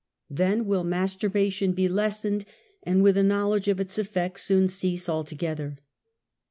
Then 114 UNMASKED. will masturbation be lessened, and with a knowledge of its effects soon cease altogether.